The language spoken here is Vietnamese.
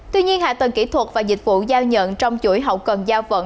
tuy nhiên hạ tầng kỹ thuật và dịch vụ giao nhận trong chuỗi hậu cần giao vận